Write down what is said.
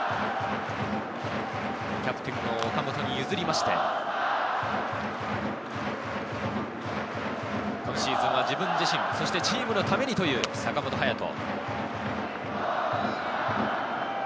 キャプテンを岡本に譲りまして、今シーズンは自分自身、そしてチームのためにという坂本勇人。